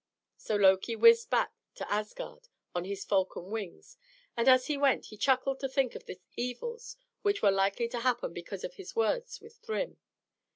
So Loki whizzed back to Asgard on his falcon wings; and as he went he chuckled to think of the evils which were likely to happen because of his words with Thrym.